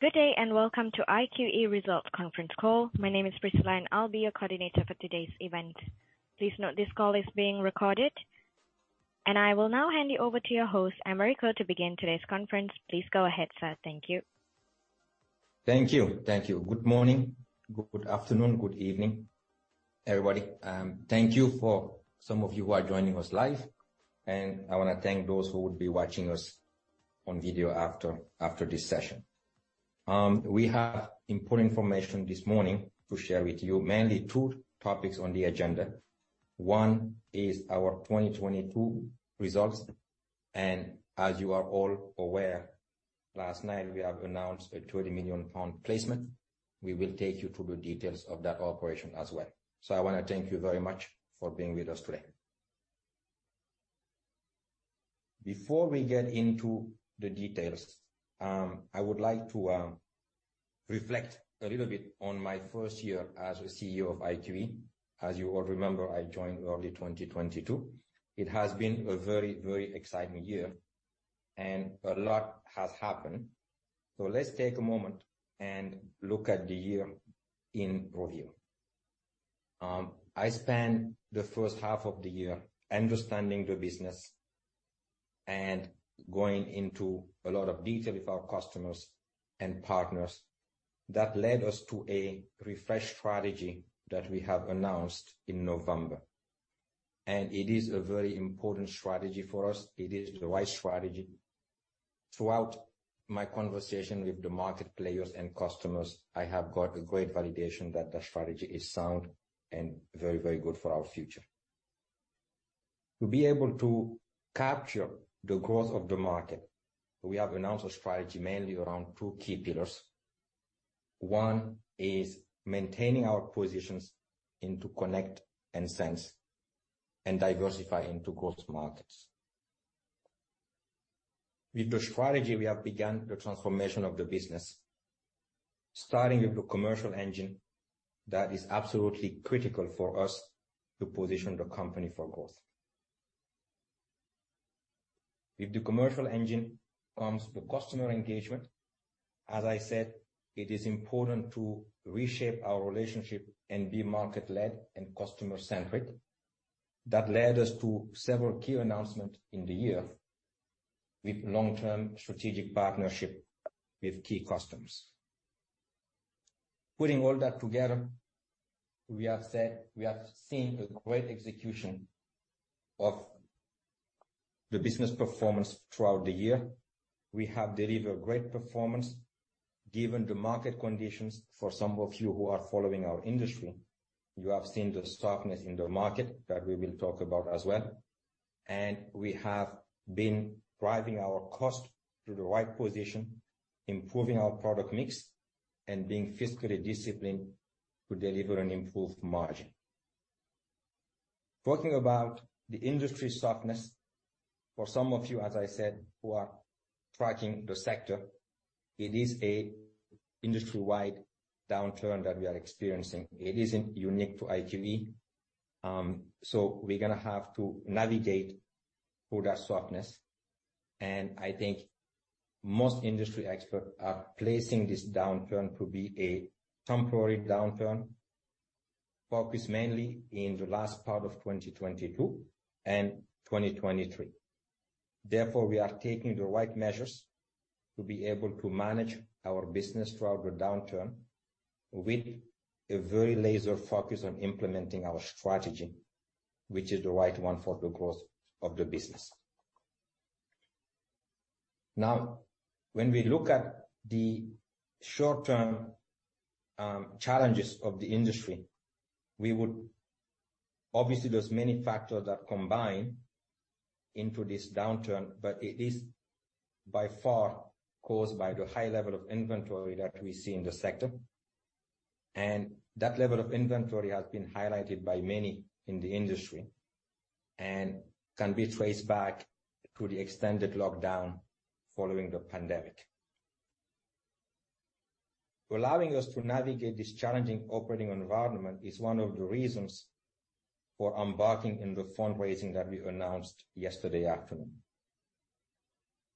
Good day, welcome to IQE Results Conference Call. My name is Priscilla, and I'll be your coordinator for today's event. Please note this call is being recorded. I will now hand you over to your host, Americo, to begin today's conference. Please go ahead, sir. Thank you. Thank you. Thank you. Good morning, good afternoon, good evening, everybody. Thank you for some of you who are joining us live, I wanna thank those who will be watching us on video after this session. We have important information this morning to share with you. Mainly two topics on the agenda. One is our 2022 results. As you are all aware, last night we have announced a 20 million pound placement. We will take you through the details of that operation as well. I wanna thank you very much for being with us today. Before we get into the details, I would like to reflect a little bit on my first year as the CEO of IQE. As you all remember, I joined early 2022. It has been a very, very exciting year, a lot has happened. Let's take a moment and look at the year in review. I spent the first half of the year understanding the business and going into a lot of detail with our customers and partners. That led us to a refreshed strategy that we have announced in November. It is a very important strategy for us. It is the right strategy. Throughout my conversation with the market players and customers, I have got a great validation that the strategy is sound and very, very good for our future. To be able to capture the growth of the market, we have announced a strategy mainly around two key pillars. One is maintaining our positions into connect and sense and diversify into growth markets. With the strategy, we have begun the transformation of the business, starting with the commercial engine that is absolutely critical for us to position the company for growth. With the commercial engine comes the customer engagement. As I said, it is important to reshape our relationship and be market-led and customer-centric. That led us to several key announcements in the year with long-term strategic partnership with key customers. Putting all that together, we have said we have seen a great execution of the business performance throughout the year. We have delivered great performance, given the market conditions. For some of you who are following our industry, you have seen the softness in the market that we will talk about as well. We have been driving our cost to the right position, improving our product mix, and being fiscally disciplined to deliver an improved margin. Talking about the industry softness, for some of you, as I said, who are tracking the sector, it is a industry-wide downturn that we are experiencing. It isn't unique to IQE. We're gonna have to navigate through that softness. I think most industry experts are placing this downturn to be a temporary downturn, focused mainly in the last part of 2022 and 2023. Therefore, we are taking the right measures to be able to manage our business throughout the downturn with a very laser focus on implementing our strategy, which is the right one for the growth of the business. When we look at the short-term challenges of the industry, obviously, there's many factors that combine into this downturn, but it is by far caused by the high level of inventory that we see in the sector. That level of inventory has been highlighted by many in the industry and can be traced back to the extended lockdown following the pandemic. Allowing us to navigate this challenging operating environment is one of the reasons for embarking in the fundraising that we announced yesterday afternoon.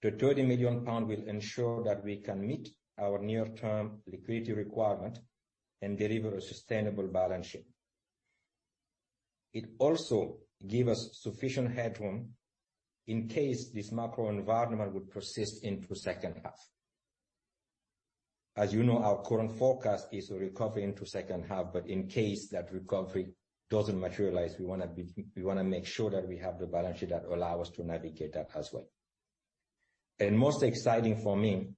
The 30 million pound will ensure that we can meet our near-term liquidity requirement and deliver a sustainable balance sheet. It also gives us sufficient headroom in case this macro environment would persist into second half. As you know, our current forecast is a recovery into second half, but in case that recovery doesn't materialize, we wanna make sure that we have the balance sheet that allow us to navigate that as well. Most exciting for me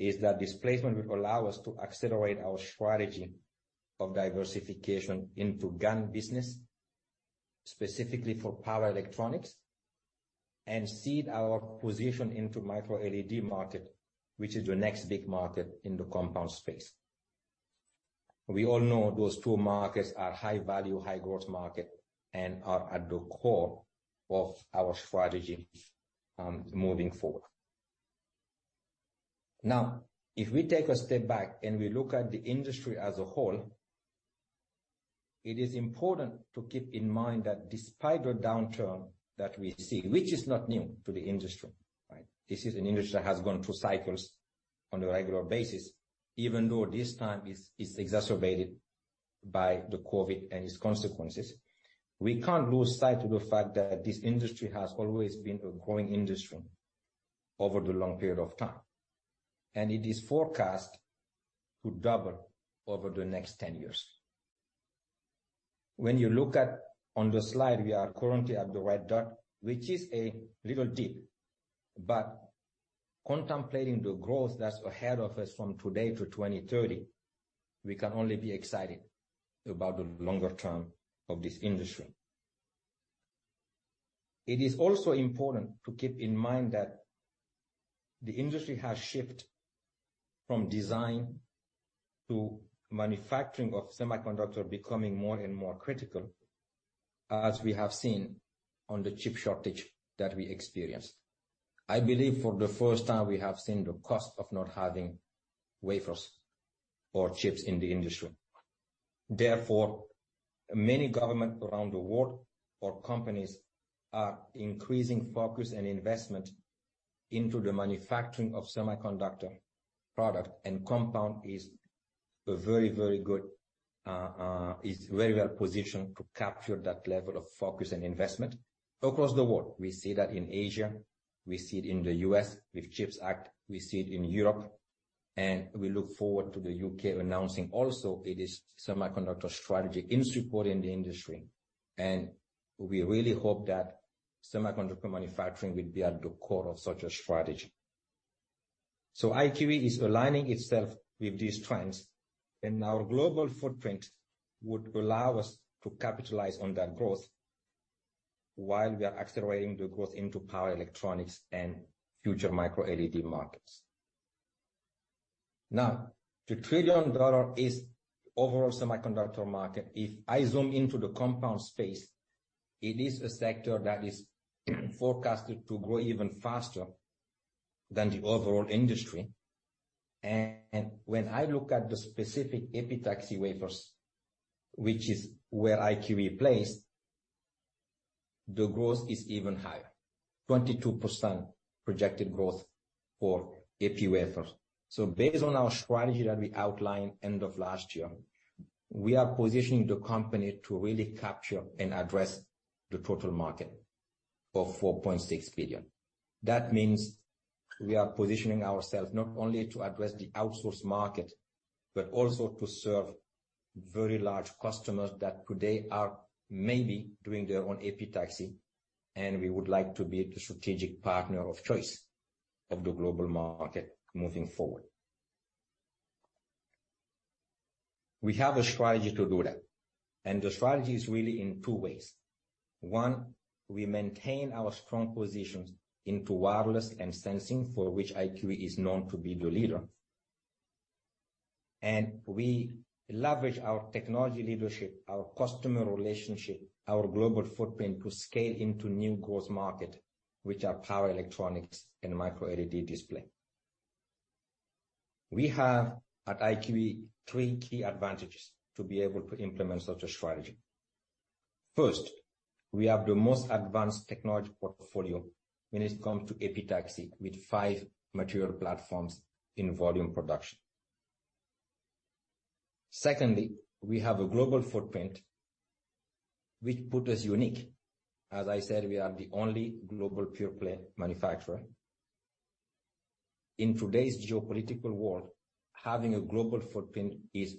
is that this placement will allow us to accelerate our strategy of diversification into GaN business, specifically for power electronics, and seed our position into microLED market, which is the next big market in the compound space. We all know those two markets are high-value, high-growth market and are at the core of our strategy, moving forward. If we take a step back, and we look at the industry as a whole. It is important to keep in mind that despite the downturn that we see, which is not new to the industry, right? This is an industry that has gone through cycles on a regular basis, even though this time is exacerbated by the COVID and its consequences. We can't lose sight of the fact that this industry has always been a growing industry over the long period of time. It is forecast to double over the next 10 years. When you look at on the slide, we are currently at the red dot, which is a little dip. Contemplating the growth that's ahead of us from today to 2030, we can only be excited about the longer term of this industry. It is also important to keep in mind that the industry has shifted from design to manufacturing of semiconductor becoming more and more critical, as we have seen on the chip shortage that we experienced. I believe for the first time we have seen the cost of not having wafers or chips in the industry. Many governments around the world or companies are increasing focus and investment into the manufacturing of semiconductor product and compound is a very, very good, is very well-positioned to capture that level of focus and investment across the world. We see that in Asia. We see it in the U.S. with CHIPS Act, we see it in Europe, and we look forward to the U.K. announcing also its semiconductor strategy in supporting the industry. We really hope that semiconductor manufacturing will be at the core of such a strategy. IQE is aligning itself with these trends, and our global footprint would allow us to capitalize on that growth while we are accelerating the growth into power electronics and future microLED markets. The $1 trillion is overall semiconductor market. If I zoom into the compound space, it is a sector that is forecasted to grow even faster than the overall industry. When I look at the specific epitaxy wafers, which is where IQE plays, the growth is even higher. 22% projected growth for epi wafers. Based on our strategy that we outlined end of last year, we are positioning the company to really capture and address the total market of $4.6 billion. That means we are positioning ourselves not only to address the outsource market, but also to serve very large customers that today are maybe doing their own epitaxy, and we would like to be the strategic partner of choice of the global market moving forward. We have a strategy to do that, the strategy is really in two ways. One, we maintain our strong positions into wireless and sensing, for which IQE is known to be the leader. We leverage our technology leadership, our customer relationship, our global footprint to scale into new growth market, which are power electronics and microLED display. We have at IQE three key advantages to be able to implement such a strategy. First, we have the most advanced technology portfolio when it comes to epitaxy with five material platforms in volume production. Secondly, we have a global footprint which put us unique. As I said, we are the only global pure play manufacturer. In today's geopolitical world, having a global footprint is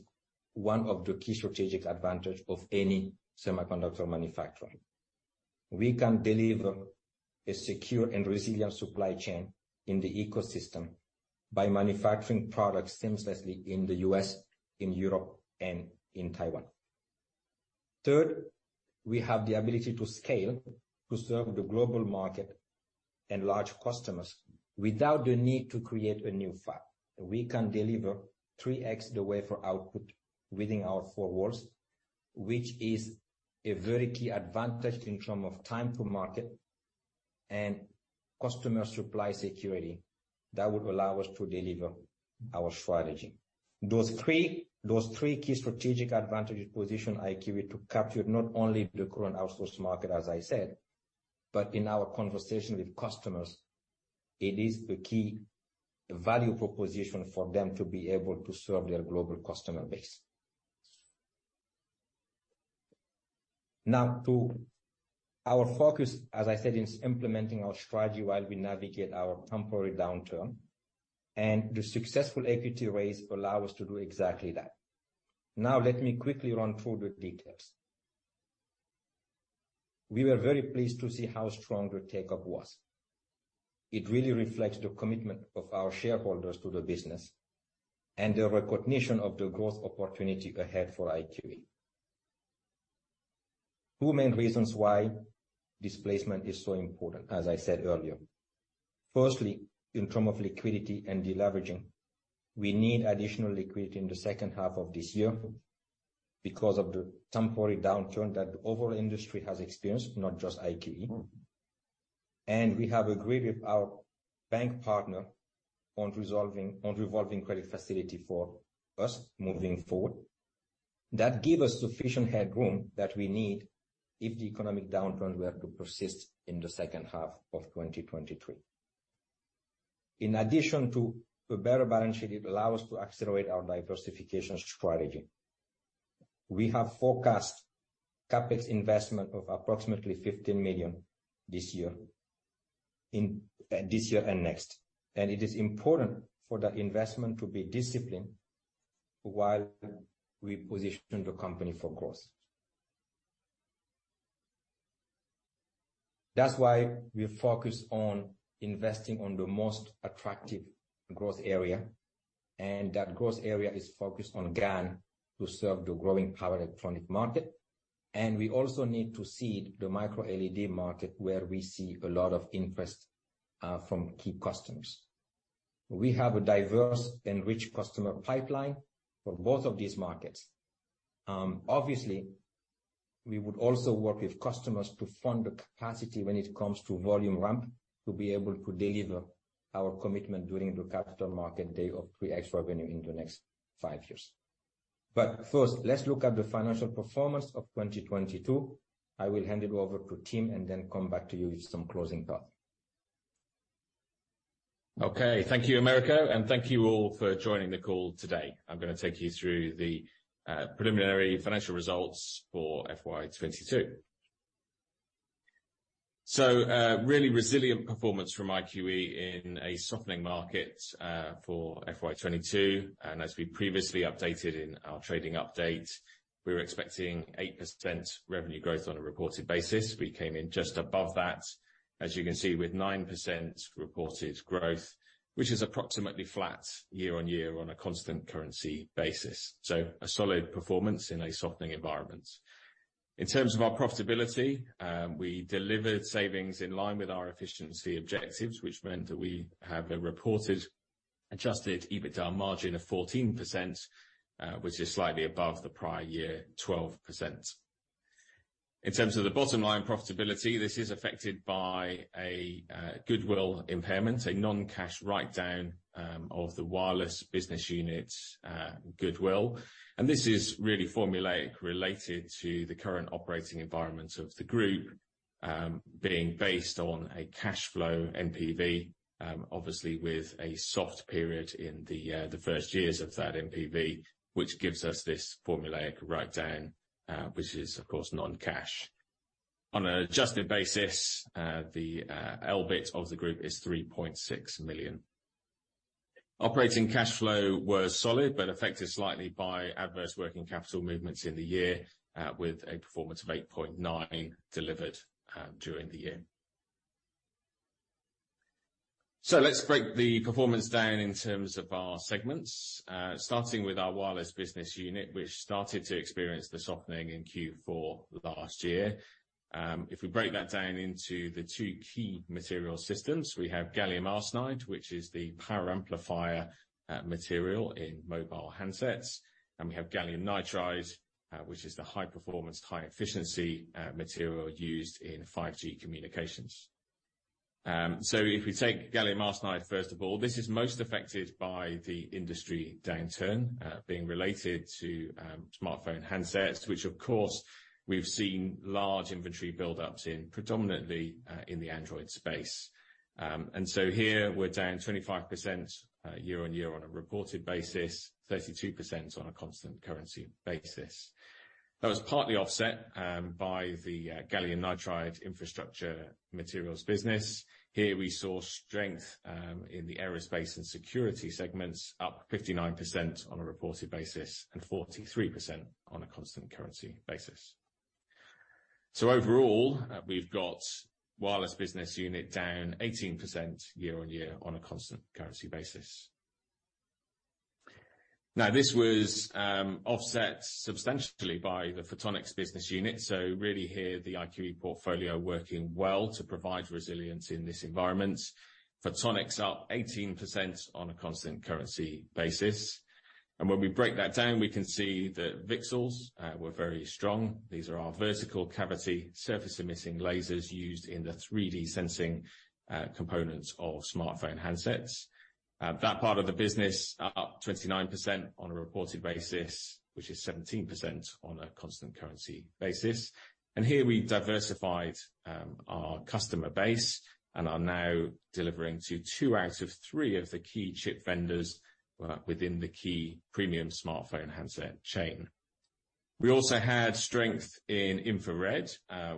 one of the key strategic advantage of any semiconductor manufacturer. We can deliver a secure and resilient supply chain in the ecosystem by manufacturing products seamlessly in the U.S., in Europe, and in Taiwan. Third, we have the ability to scale to serve the global market and large customers without the need to create a new fab. We can deliver 3x the wafer output within our four walls, which is a very key advantage in term of time to market and customer supply security that would allow us to deliver our strategy. Those three key strategic advantage position IQE to capture not only the current outsource market, as I said, but in our conversation with customers, it is the key value proposition for them to be able to serve their global customer base. To our focus, as I said, is implementing our strategy while we navigate our temporary downturn. The successful equity raise allow us to do exactly that. Let me quickly run through the details. We were very pleased to see how strong the take-up was. It really reflects the commitment of our shareholders to the business and the recognition of the growth opportunity ahead for IQE. Two main reasons why this placement is so important, as I said earlier. Firstly, in term of liquidity and deleveraging, we need additional liquidity in the second half of this year because of the temporary downturn that the overall industry has experienced, not just IQE. we have agreed with our bank partner on revolving credit facility for us moving forward. That give us sufficient headroom that we need if the economic downturn were to persist in the second half of 2023. In addition to a better balance sheet, it allow us to accelerate our diversification strategy. We have forecast CapEx investment of approximately 15 million this year. In this year and next. It is important for that investment to be disciplined while we position the company for growth. That's why we focus on investing on the most attractive growth area, and that growth area is focused on GaN to serve the growing power electronics market. We also need to see the microLED market where we see a lot of interest from key customers. We have a diverse and rich customer pipeline for both of these markets. Obviously, we would also work with customers to fund the capacity when it comes to volume ramp to be able to deliver our commitment during the Capital Market Week of 3x revenue in the next 5 years. First, let's look at the financial performance of 2022. I will hand it over to Tim and then come back to you with some closing thoughts. Thank you, Americo, and thank you all for joining the call today. I'm gonna take you through the preliminary financial results for FY 2022. Really resilient performance from IQE in a softening market for FY 2022. As we previously updated in our trading update, we were expecting 8% revenue growth on a reported basis. We came in just above that. As you can see, with 9% reported growth, which is approximately flat year-over-year on a constant currency basis. A solid performance in a softening environment. In terms of our profitability, we delivered savings in line with our efficiency objectives, which meant that we have a reported adjusted EBITDA margin of 14%, which is slightly above the prior year, 12%. In terms of the bottom line profitability, this is affected by a goodwill impairment, a non-cash write down of the wireless business unit goodwill. This is really formulaic related to the current operating environment of the group, being based on a cash flow NPV, obviously with a soft period in the first years of that NPV, which gives us this formulaic write down, which is of course non-cash. On an adjusted basis, the EBIT of the group is 3.6 million. Operating cash flow was solid but affected slightly by adverse working capital movements in the year, with a performance of 8.9 delivered during the year. Let's break the performance down in terms of our segments. Starting with our wireless business unit, which started to experience the softening in Q4 last year. If we break that down into the two key material systems, we have gallium arsenide, which is the power amplifier material in mobile handsets, and we have gallium nitride, which is the high-performance, high-efficiency material used in 5G communications. If we take gallium arsenide, first of all, this is most affected by the industry downturn, being related to smartphone handsets, which of course we've seen large inventory buildups in predominantly in the Android space. Here we're down 25% year-on-year on a reported basis, 32% on a constant currency basis. That was partly offset by the gallium nitride infrastructure materials business. Here we saw strength in the aerospace and security segments, up 59% on a reported basis and 43% on a constant currency basis. Overall, we've got wireless business unit down 18% year-over-year on a constant currency basis. This was offset substantially by the Photonics business unit. Really here, the IQE portfolio working well to provide resilience in this environment. Photonics up 18% on a constant currency basis. When we break that down, we can see that VCSELs were very strong. These are our vertical-cavity surface-emitting lasers used in the 3D sensing components of smartphone handsets. That part of the business up 29% on a reported basis, which is 17% on a constant currency basis. Here we diversified our customer base and are now delivering to two out of three of the key chip vendors within the key premium smartphone handset chain. We also had strength in infrared,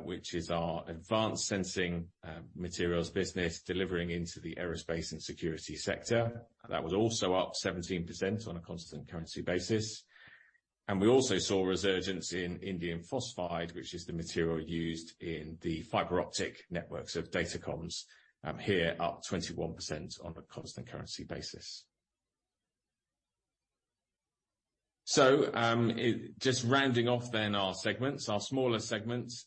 which is our advanced sensing materials business delivering into the aerospace and security sector. That was also up 17% on a constant currency basis. We also saw resurgence in indium phosphide, which is the material used in the fiber optic networks of datacomms, here up 21% on a constant currency basis. Just rounding off our segments. Our smaller segments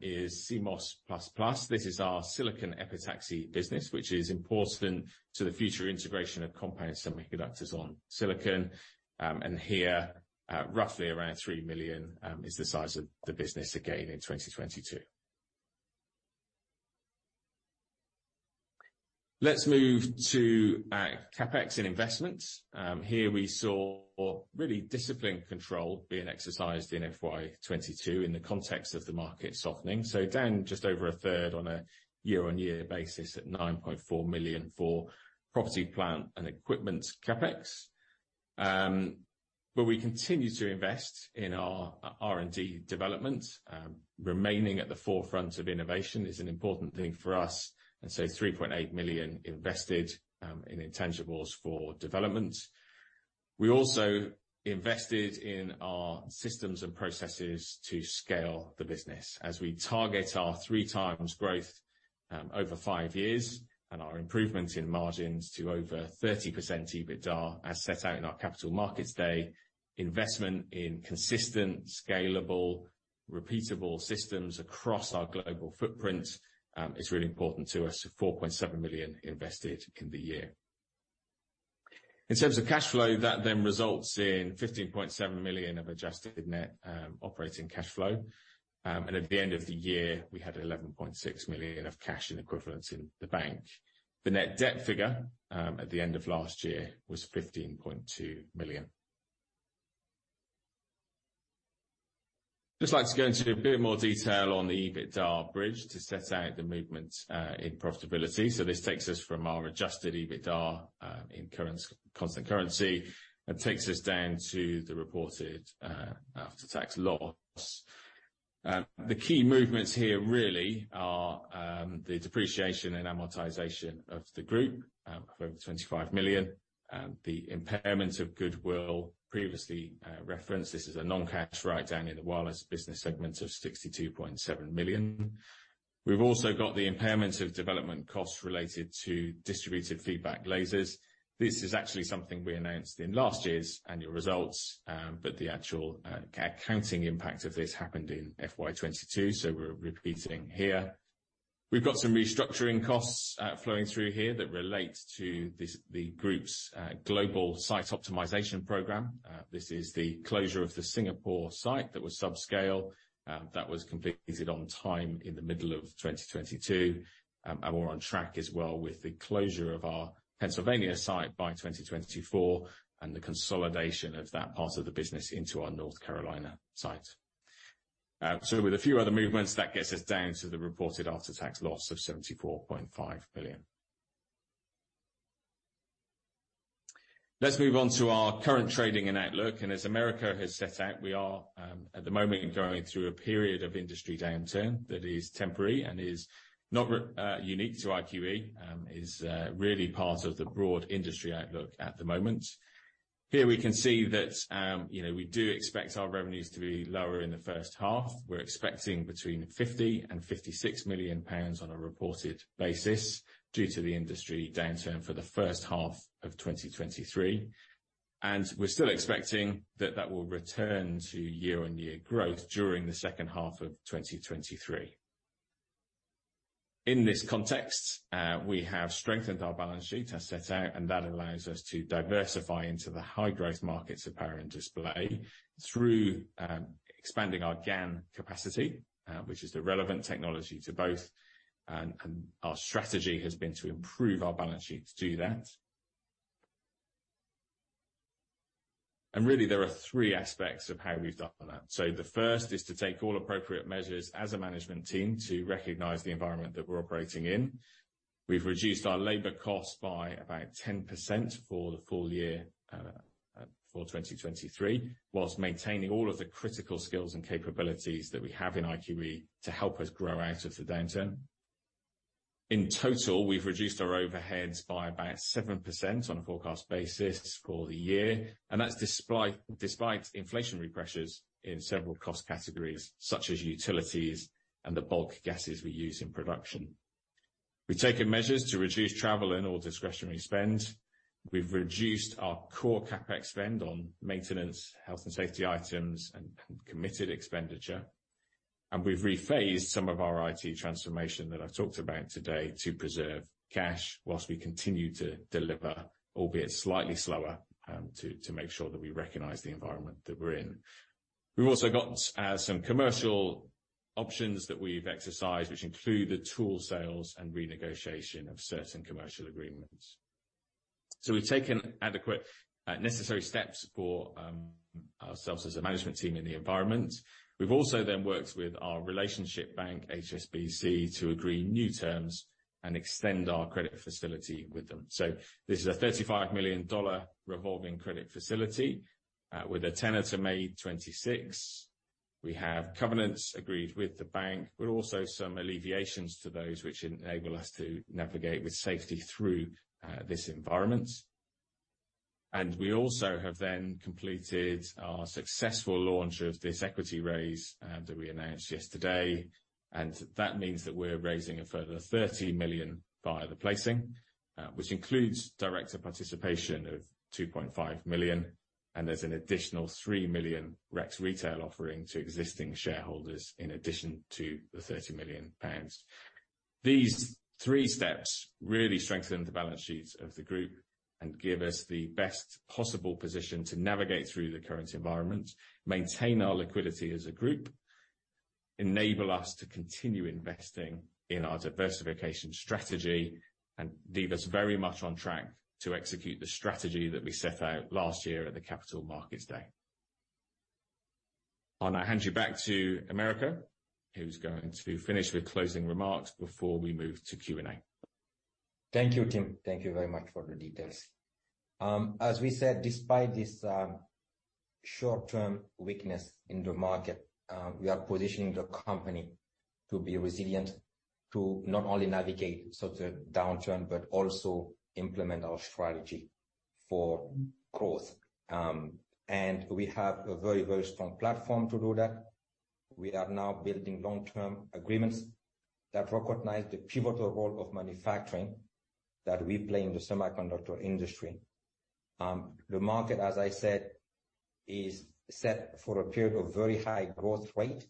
is CMOS++. This is our silicon epitaxy business, which is important to the future integration of compound semiconductors on silicon. Here at roughly around 3 million is the size of the business again in 2022. Let's move to CapEx and investments. Here we saw really disciplined control being exercised in FY 2022 in the context of the market softening. Down just over a third on a year-on-year basis at 9.4 million for property plant and equipment CapEx. We continue to invest in our R&D development. Remaining at the forefront of innovation is an important thing for us, 3.8 million invested in intangibles for development. We also invested in our systems and processes to scale the business as we target our 3x growth over 5 years and our improvement in margins to over 30% EBITDA as set out in our Capital Markets Day investment in consistent, scalable, repeatable systems across our global footprint is really important to us. 4.7 million invested in the year. In terms of cash flow, that results in 15.7 million of adjusted net operating cash flow. At the end of the year, we had 11.6 million of cash in equivalents in the bank. The net debt figure at the end of last year was 15.2 million. Just like to go into a bit more detail on the EBITDA bridge to set out the movement in profitability. This takes us from our adjusted EBITDA in constant currency, and takes us down to the reported after-tax loss. The key movements here really are the depreciation and amortization of the group of over 25 million. The impairment of goodwill previously referenced. This is a non-cash write-down in the wireless business segment of 62.7 million. We've also got the impairment of development costs related to distributed feedback lasers. This is actually something we announced in last year's annual results, the actual accounting impact of this happened in FY 2022, so we're repeating here. We've got some restructuring costs flowing through here that relate to the group's global site optimization program. This is the closure of the Singapore site that was subscale. That was completed on time in the middle of 2022. We're on track as well with the closure of our Pennsylvania site by 2024 and the consolidation of that part of the business into our North Carolina site. With a few other movements, that gets us down to the reported after-tax loss of 74.5 million. Let's move on to our current trading and outlook. As Americo has set out, we are at the moment going through a period of industry downturn that is temporary and is not unique to IQE, is really part of the broad industry outlook at the moment. Here we can see that, you know, we do expect our revenues to be lower in the first half. We're expecting between 50 million and 56 million pounds on a reported basis due to the industry downturn for the first half of 2023. And we're still expecting that that will return to year-on-year growth during the second half of 2023. In this context, we have strengthened our balance sheet as set out, and that allows us to diversify into the high-growth markets of power and display through expanding our GaN capacity, which is the relevant technology to both. Our strategy has been to improve our balance sheet to do that. Really, there are three aspects of how we've done that. The first is to take all appropriate measures as a management team to recognize the environment that we're operating in. We've reduced our labor costs by about 10% for the full year for 2023, while maintaining all of the critical skills and capabilities that we have in IQE to help us grow out of the downturn. In total, we've reduced our overheads by about 7% on a forecast basis for the year, and that's despite inflationary pressures in several cost categories such as utilities and the bulk gases we use in production. We've taken measures to reduce travel and all discretionary spend. We've reduced our core CapEx spend on maintenance, health, and safety items and committed expenditure. We've rephased some of our IT transformation that I've talked about today to preserve cash while we continue to deliver, albeit slightly slower, to make sure that we recognize the environment that we're in. We've also got some commercial options that we've exercised, which include the tool sales and renegotiation of certain commercial agreements. We've taken adequate necessary steps for ourselves as a management team in the environment. We've also worked with our relationship bank, HSBC, to agree new terms and extend our credit facility with them. This is a $35 million revolving credit facility with a tenor to May 2026. We have covenants agreed with the bank, but also some alleviations to those which enable us to navigate with safety through this environment. We also have then completed our successful launch of this equity raise that we announced yesterday. That means that we're raising a further 30 million via the placing, which includes director participation of 2.5 million, and there's an additional 3 million REX retail offering to existing shareholders in addition to the 30 million pounds. These three steps really strengthen the balance sheets of the group and give us the best possible position to navigate through the current environment, maintain our liquidity as a group. Enable us to continue investing in our diversification strategy and leave us very much on track to execute the strategy that we set out last year at the Capital Markets Day. I'll now hand you back to Americo, who's going to finish with closing remarks before we move to Q&A. Thank you, Tim. Thank you very much for the details. As we said, despite this, short-term weakness in the market, we are positioning the company to be resilient to not only navigate such a downturn but also implement our strategy for growth. We have a very, very strong platform to do that. We are now building long-term agreements that recognize the pivotal role of manufacturing that we play in the semiconductor industry. The market, as I said, is set for a period of very high growth rate,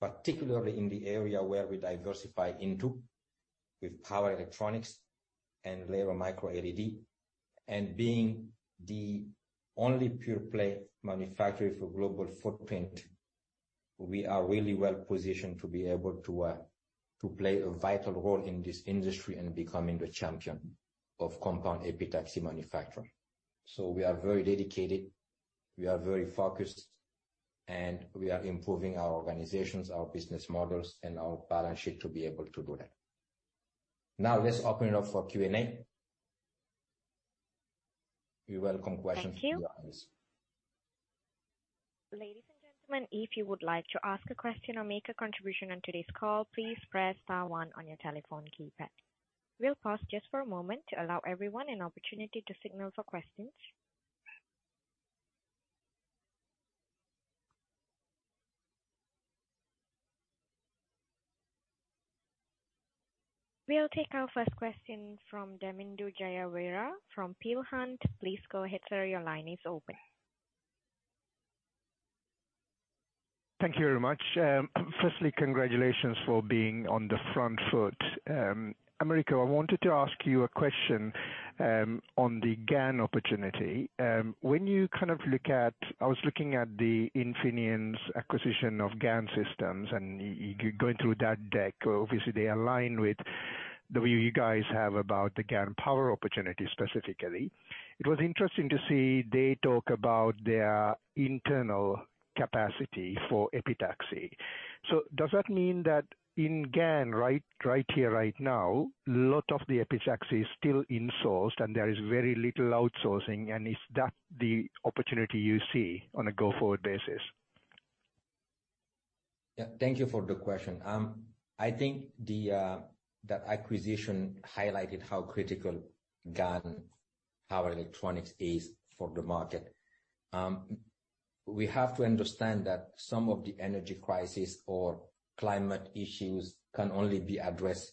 particularly in the area where we diversify into, with power electronics and later microLED. Being the only pure play manufacturer for global footprint, we are really well-positioned to be able to play a vital role in this industry and becoming the champion of compound epitaxy manufacturing. We are very dedicated, we are very focused, and we are improving our organizations, our business models, and our balance sheet to be able to do that. Now let's open it up for Q&A. We welcome questions and your answers. Thank you. Ladies and gentlemen, if you would like to ask a question or make a contribution on today's call, please press star one on your telephone keypad. We'll pause just for a moment to allow everyone an opportunity to signal for questions. We'll take our first question from Damindu Jayaweera from Peel Hunt. Please go ahead, sir. Your line is open. Thank you very much. Firstly, congratulations for being on the front foot. Americo, I wanted to ask you a question on the GaN opportunity. When you kind of look at I was looking at Infineon's acquisition of GaN Systems, and you're going through that deck. Obviously, they align with the view you guys have about the GaN power opportunity specifically. It was interesting to see they talk about their internal capacity for epitaxy. Does that mean that in GaN right here, right now, a lot of the epitaxy is still insourced and there is very little outsourcing? Is that the opportunity you see on a go-forward basis? Yeah, thank you for the question. I think the that acquisition highlighted how critical GaN power electronics is for the market. We have to understand that some of the energy crisis or climate issues can only be addressed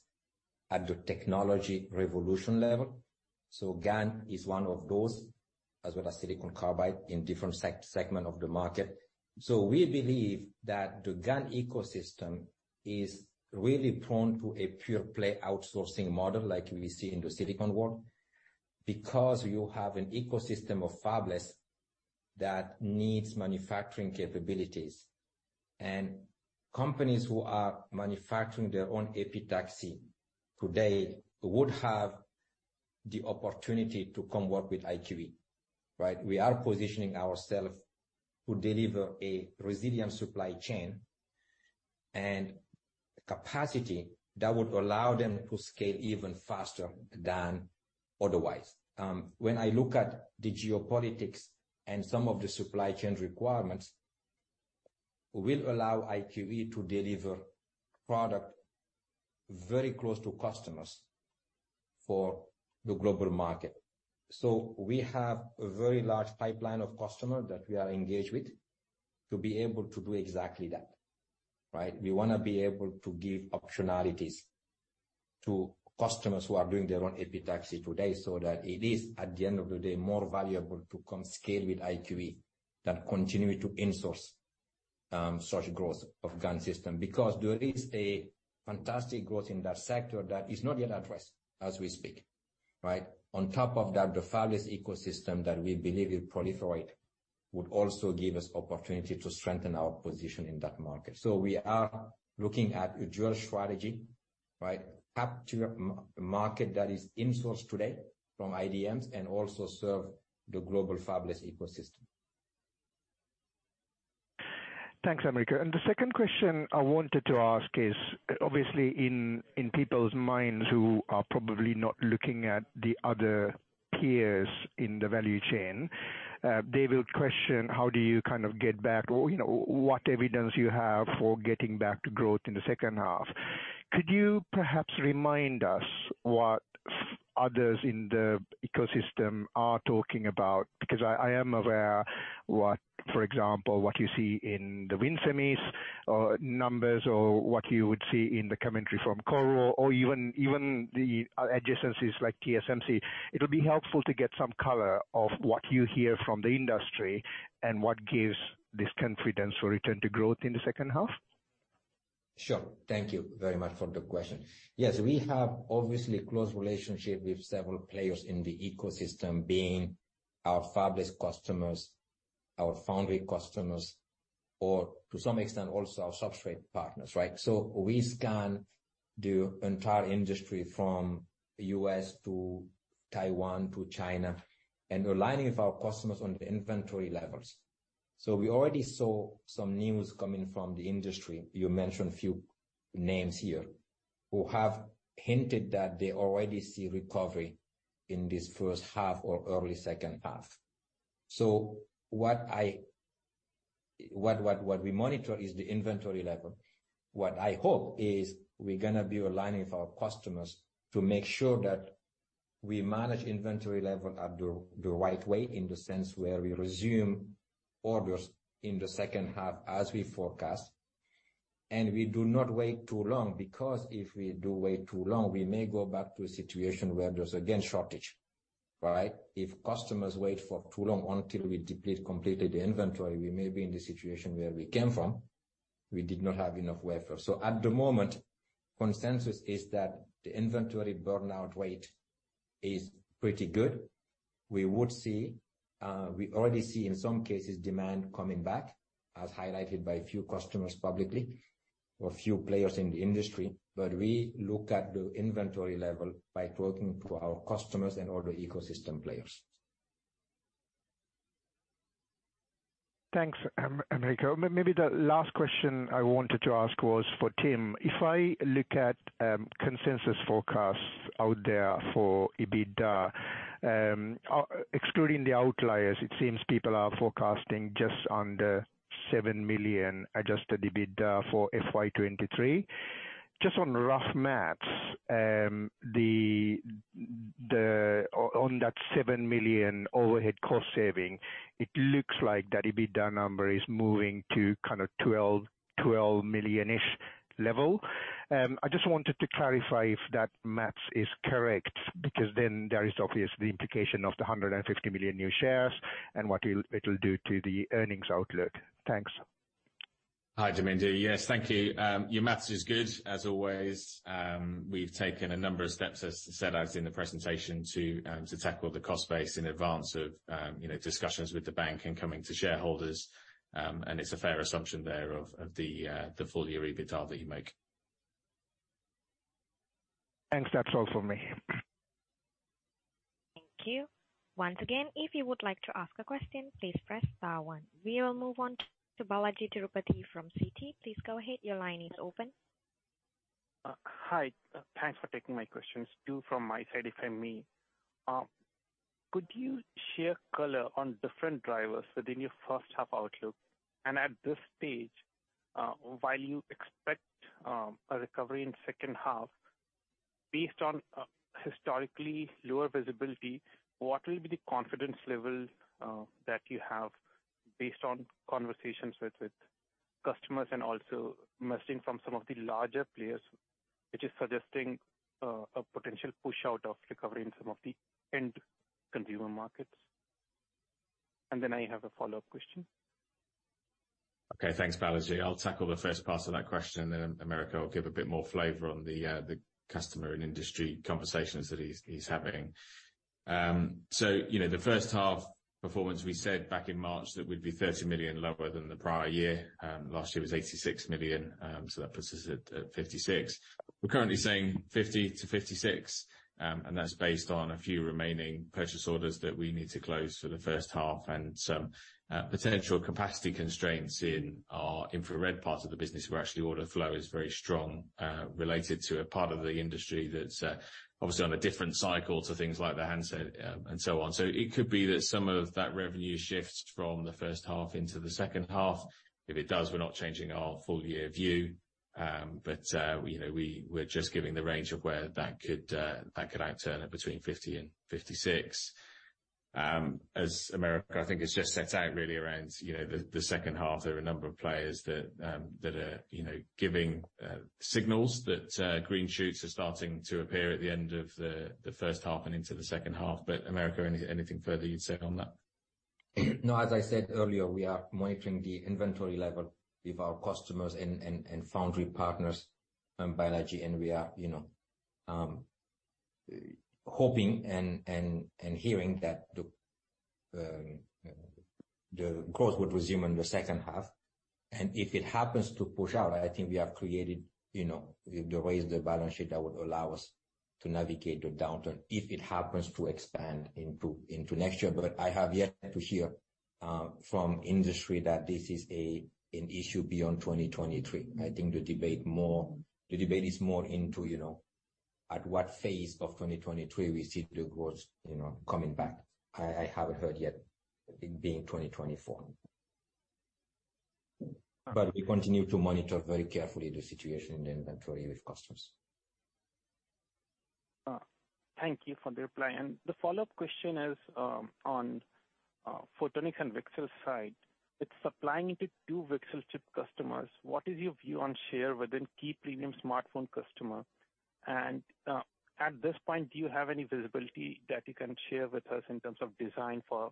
at the technology revolution level. GaN is one of those, as well as silicon carbide in different segment of the market. We believe that the GaN ecosystem is really prone to a pure play outsourcing model like we see in the silicon world, because you have an ecosystem of fabless that needs manufacturing capabilities. Companies who are manufacturing their own epitaxy today would have the opportunity to come work with IQE, right? We are positioning ourself to deliver a resilient supply chain and capacity that would allow them to scale even faster than otherwise. When I look at the geopolitics and some of the supply chain requirements, will allow IQE to deliver product very close to customers for the global market. We have a very large pipeline of customer that we are engaged with to be able to do exactly that, right? We wanna be able to give optionalities to customers who are doing their own epitaxy today so that it is, at the end of the day, more valuable to come scale with IQE than continue to insource, such growth of GaN system. There is a fantastic growth in that sector that is not yet addressed as we speak, right? On top of that, the fabless ecosystem that we believe will proliferate would also give us opportunity to strengthen our position in that market. We are looking at a dual strategy, right? Up to market that is insourced today from IDMs and also serve the global fabless ecosystem. Thanks, Americo. The second question I wanted to ask is, obviously in people's minds who are probably not looking at the other peers in the value chain, they will question how do you kind of get back or, you know, what evidence you have for getting back to growth in the second half. Could you perhaps remind us what others in the ecosystem are talking about? Because I am aware what, for example, what you see in the WIN Semiconductors numbers or what you would see in the commentary from Qorvo or even the adjacencies like TSMC. It would be helpful to get some color of what you hear from the industry and what gives this confidence for return to growth in the second half. Sure. Thank you very much for the question. Yes, we have obviously a close relationship with several players in the ecosystem being our fabless customers, our foundry customers, or to some extent also our substrate partners, right? We scan the entire industry from U.S. to Taiwan to China, and we're aligning with our customers on the inventory levels. We already saw some news coming from the industry. You mentioned a few names here who have hinted that they already see recovery in this first half or early second half. What we monitor is the inventory level. What I hope is we're gonna be aligning with our customers to make sure that we manage inventory level at the right way in the sense where we resume orders in the second half as we forecast. We do not wait too long, because if we do wait too long, we may go back to a situation where there's again shortage, right? If customers wait for too long until we deplete completely the inventory, we may be in the situation where we came from. We did not have enough wafer. At the moment, consensus is that the inventory burnout rate is pretty good. We would see, we already see in some cases demand coming back, as highlighted by a few customers publicly or a few players in the industry. We look at the inventory level by talking to our customers and all the ecosystem players. Thanks, Americo. Maybe the last question I wanted to ask was for Tim. If I look at consensus forecasts out there for EBITDA, excluding the outliers, it seems people are forecasting just under 7 million adjusted EBITDA for FY 2023. Just on rough math, on that 7 million overhead cost saving, it looks like that EBITDA number is moving to kind of 12 million-ish level. I just wanted to clarify if that math is correct, there is obviously the implication of the 150 million new shares and what it'll do to the earnings outlook. Thanks. Hi, Dominde. Yes. Thank you. Your math is good as always. We've taken a number of steps, as set out in the presentation, to tackle the cost base in advance of, you know, discussions with the bank and coming to shareholders. It's a fair assumption there of the full year EBITDA that you make. Thanks. That's all for me. Thank you. Once again, if you would like to ask a question, please press star one. We will move on to Balajee Tirupati from Citi. Please go ahead. Your line is open. Hi. Thanks for taking my questions. Two from my side, if I may. Could you share color on different drivers within your first half outlook? At this stage, while you expect a recovery in second half based on historically lower visibility, what will be the confidence level that you have based on conversations with customers and also messaging from some of the larger players which is suggesting a potential push out of recovery in some of the end consumer markets? Then I have a follow-up question. Okay. Thanks, Balajee. I'll tackle the first part of that question, then Americo will give a bit more flavor on the customer and industry conversations that he's having. You know, the first half performance, we said back in March that we'd be 30 million lower than the prior year. Last year was 86 million, that puts us at 56 million. We're currently saying 50 million-56 million, that's based on a few remaining purchase orders that we need to close for the first half and some potential capacity constraints in our infrared part of the business, where actually order flow is very strong, related to a part of the industry that's obviously on a different cycle to things like the handset, and so on. It could be that some of that revenue shifts from the first half into the second half. If it does, we're not changing our full year view. You know, we were just giving the range of where that could that could outturn it between 50 million and 56 million. As Americo I think has just set out really around, you know, the second half, there are a number of players that are, you know, giving signals that green shoots are starting to appear at the end of the first half and into the second half. Americo, anything further you'd say on that? No. As I said earlier, we are monitoring the inventory level with our customers and foundry partners, Balajee. We are, you know, hoping and hearing that the growth would resume in the second half. If it happens to push out, I think we have created, you know, the way the balance sheet that would allow us to navigate the downturn if it happens to expand into next year. I have yet to hear from industry that this is an issue beyond 2023. I think the debate is more into, you know, at what phase of 2023 we see the growth, you know, coming back. I haven't heard yet it being 2024. We continue to monitor very carefully the situation in the inventory with customers. Thank you for the reply. The follow-up question is on Photonics and VCSEL side. With supplying the two VCSEL chip customers, what is your view on share within key premium smartphone customer? At this point, do you have any visibility that you can share with us in terms of design for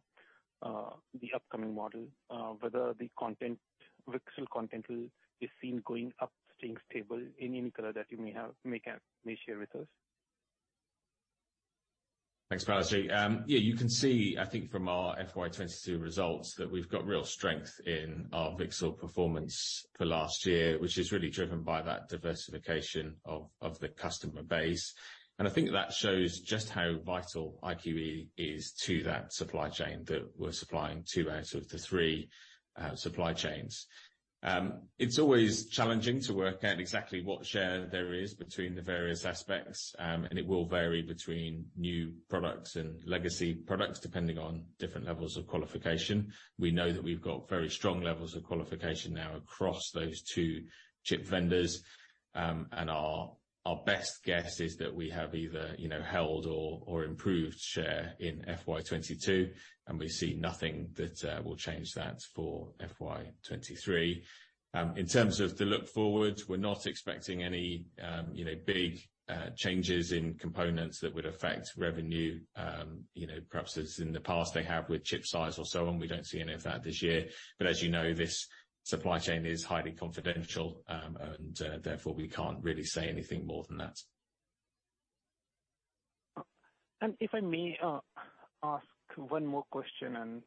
the upcoming model, whether the content, pixel content will be seen going up staying stable any color that you may have, may share with us? Thanks, Balajee. Yeah, you can see, I think from our FY 2022 results that we've got real strength in our pixel performance for last year, which is really driven by that diversification of the customer base. I think that shows just how vital IQE is to that supply chain that we're supplying two out of the three supply chains. It's always challenging to work out exactly what share there is between the various aspects. It will vary between new products and legacy products, depending on different levels of qualification. We know that we've got very strong levels of qualification now across those two chip vendors. Our best guess is that we have either, you know, held or improved share in FY 2022, and we see nothing that will change that for FY 2023. In terms of the look forward, we're not expecting any, you know, big changes in components that would affect revenue, you know, perhaps as in the past they have with chip size or so on. We don't see any of that this year. As you know, this supply chain is highly confidential, and therefore, we can't really say anything more than that. If I may, ask one more question and,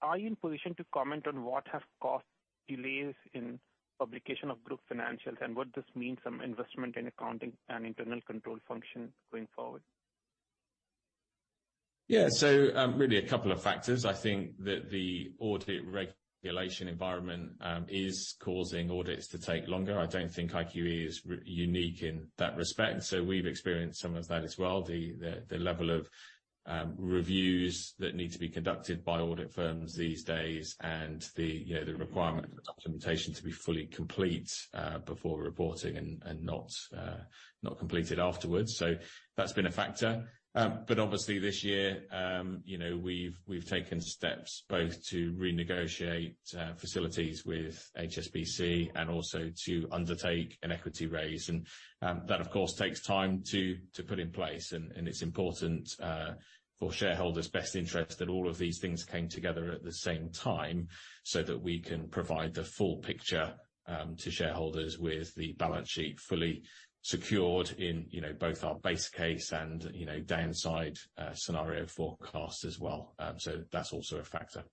are you in position to comment on what have caused delays in publication of group financials and what this means on investment in accounting and internal control function going forward? Really a couple of factors. I think that the audit regulation environment is causing audits to take longer. I don't think IQE is unique in that respect, so we've experienced some of that as well. The level of reviews that need to be conducted by audit firms these days and the, you know, the requirement for documentation to be fully complete before reporting and not completed afterwards. That's been a factor. Obviously this year, you know, we've taken steps both to renegotiate facilities with HSBC and also to undertake an equity raise. That, of course, takes time to put in place. It's important, for shareholders' best interest that all of these things came together at the same time, so that we can provide the full picture, to shareholders with the balance sheet fully secured in, you know, both our base case and, you know, downside, scenario forecast as well. That's also a factor.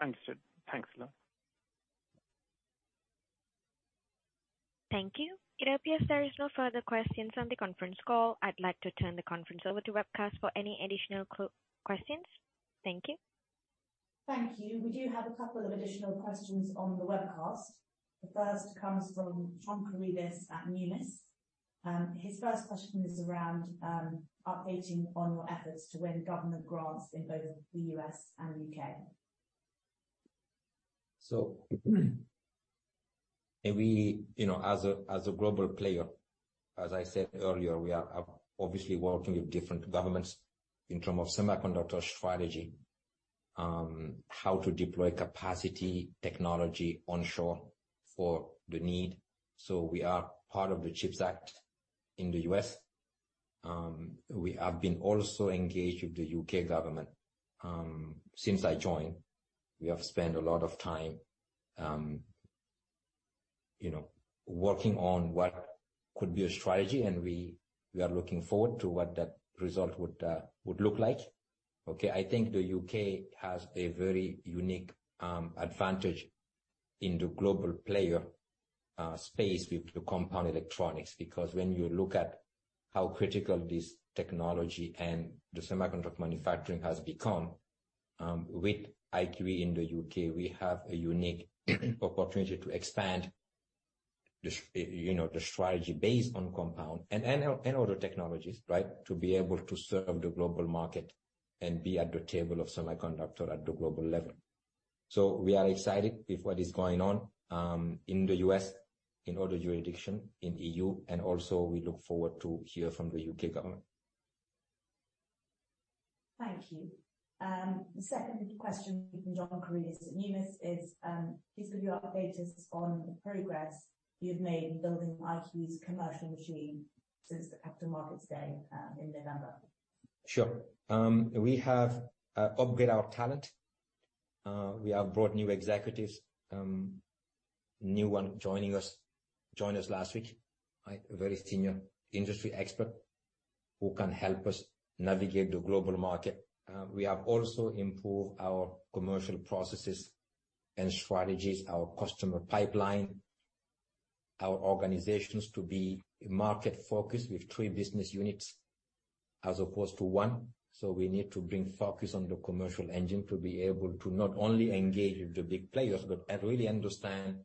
Understood. Thanks a lot. Thank you. It appears there is no further questions on the conference call. I'd like to turn the conference over to webcast for any additional questions. Thank you. Thank you. We do have a couple of additional questions on the webcast. The first comes from John Corridus at Numis. His first question is around updating on your efforts to win government grants in both the U.S. and U.K. We, you know, as a, as a global player, as I said earlier, we are obviously working with different governments in term of semiconductor strategy, how to deploy capacity, technology onshore for the need. We are part of the CHIPS Act in the U.S. We have been also engaged with the U.K. government since I joined. We have spent a lot of time, you know, working on what could be a strategy, and we are looking forward to what that result would look like. I think the U.K. has a very unique advantage in the global player space with the compound semiconductors, because when you look at how critical this technology and the semiconductor manufacturing has become, with IQE in the U.K., we have a unique opportunity to expand you know, the strategy based on compound and other technologies, right, to be able to serve the global market and be at the table of semiconductor at the global level. We are excited with what is going on in the U.S., in other jurisdiction, in E.U., and also we look forward to hear from the U.K. government. Thank you. The second question from John Corridus at Numis is, he's giving you updates on the progress you've made in building IQE's commercial machine since the Capital Markets Day in November. Sure. We have upgrade our talent. We have brought new executives, new one joining us, joined us last week. A very senior industry expert who can help us navigate the global market. We have also improved our commercial processes and strategies, our customer pipeline, our organizations to be market-focused with 3 business units as opposed to 1. We need to bring focus on the commercial engine to be able to not only engage with the big players, but, and really understand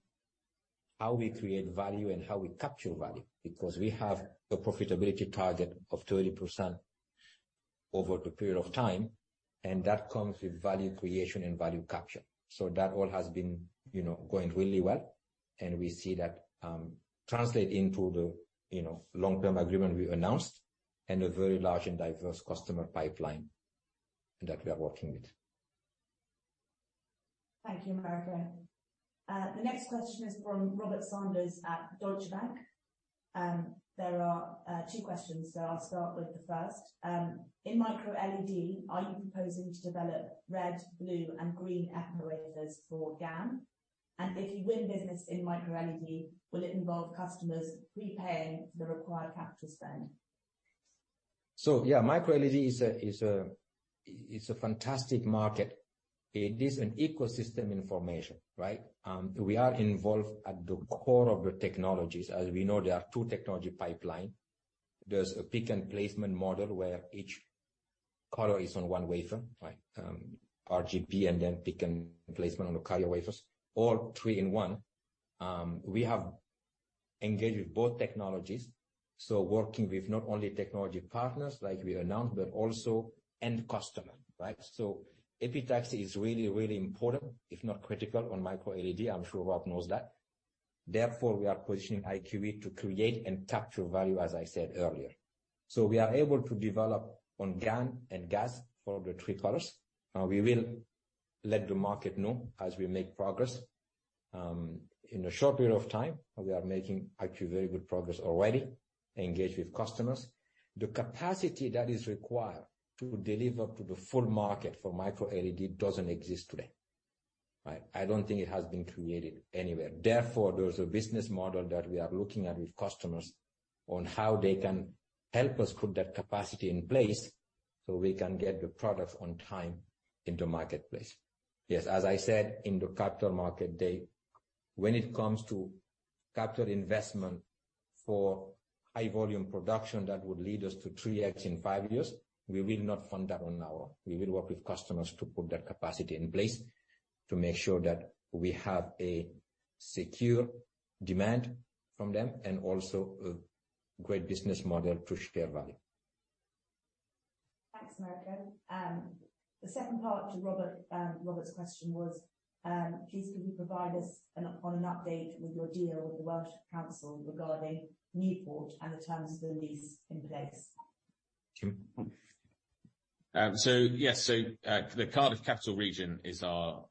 how we create value and how we capture value. Because we have a profitability target of 30% over the period of time, and that comes with value creation and value capture. That all has been, you know, going really well. We see that translate into the, you know, long-term agreement we announced and a very large and diverse customer pipeline that we are working with. Thank you, Americo. The next question is from Robert Sanders at Deutsche Bank. There are two questions, so I'll start with the first. In microLED, are you proposing to develop red, blue and green epi wafers for GaN? If you win business in microLED, will it involve customers prepaying the required capital spend? Yeah, microLED is a fantastic market. It is an ecosystem information, right. We are involved at the core of the technologies. As we know, there are two technology pipeline. There's a pick and placement model where each color is on one wafer, right. RGB and then pick and placement on the color wafers or three in one. We have engaged with both technologies. Working with not only technology partners like we announced, but also end customer, right. Epitaxy is really, really important, if not critical on microLED. I'm sure Rob knows that. Therefore, we are positioning IQE to create and capture value, as I said earlier. We are able to develop on GaN and GaAs for the three colors. We will let the market know as we make progress in a short period of time. We are making actually very good progress already, engage with customers. The capacity that is required to deliver to the full market for microLED doesn't exist today, right. I don't think it has been created anywhere. There's a business model that we are looking at with customers on how they can help us put that capacity in place so we can get the products on time in the marketplace. As I said in the Capital Markets Day, when it comes to capital investment for high volume production, that would lead us to 3x in 5 years, we will not fund that. We will work with customers to put that capacity in place to make sure that we have a secure demand from them, and also a great business model to share value. Thanks, Americo. The second part to Robert's question was, please can you provide us an update with your deal with the Welsh Council regarding Newport and the terms of the lease in place? Sure. Yes. The Cardiff Capital Region is our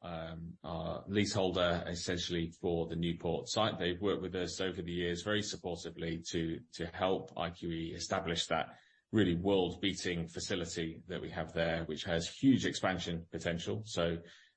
leaseholder essentially for the Newport site. They've worked with us over the years very supportively to help IQE establish that really world-beating facility that we have there, which has huge expansion potential.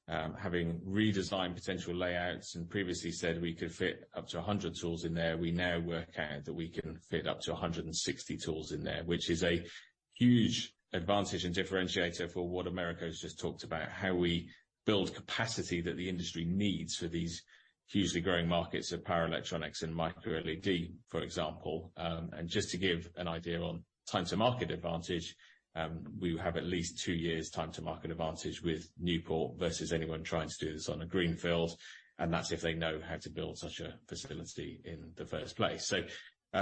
Having redesigned potential layouts and previously said we could fit up to 100 tools in there, we now work out that we can fit up to 160 tools in there, which is a huge advantage and differentiator for what Americo's just talked about. How we build capacity that the industry needs for these hugely growing markets of power electronics and microLED, for example. Just to give an idea on time to market advantage, we have at least two years time to market advantage with Newport versus anyone trying to do this on a greenfield, and that's if they know how to build such a facility in the first place.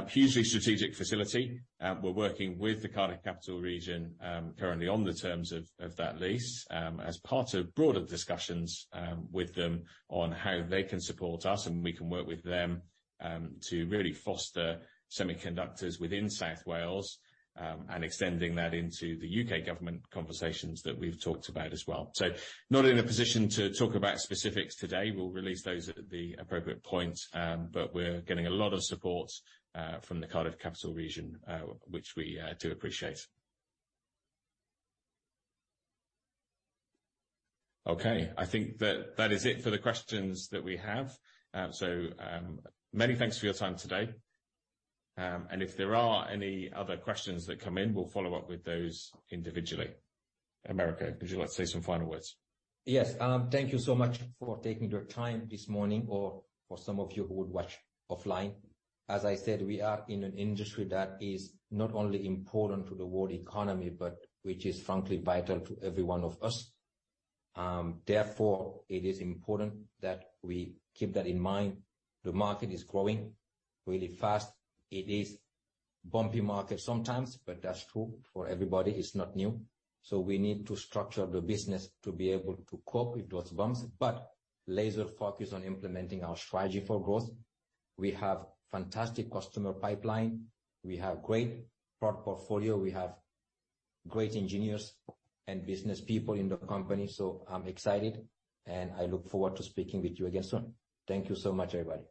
Hugely strategic facility. We're working with the Cardiff Capital Region, currently on the terms of that lease, as part of broader discussions with them on how they can support us and we can work with them to really foster semiconductors within South Wales, and extending that into the UK government conversations that we've talked about as well. Not in a position to talk about specifics today. We'll release those at the appropriate point. We're getting a lot of support from the Cardiff Capital Region, which we do appreciate. Okay. I think that that is it for the questions that we have. Many thanks for your time today. If there are any other questions that come in, we'll follow up with those individually. Americo, would you like to say some final words? Yes. Thank you so much for taking the time this morning or for some of you who would watch offline. As I said, we are in an industry that is not only important to the world economy, but which is frankly vital to every one of us. Therefore, it is important that we keep that in mind. The market is growing really fast. It is bumpy market sometimes, but that's true for everybody. It's not new. We need to structure the business to be able to cope with those bumps, but laser focus on implementing our strategy for growth. We have fantastic customer pipeline. We have great product portfolio. We have great engineers and business people in the company. I'm excited and I look forward to speaking with you again soon. Thank you so much, everybody.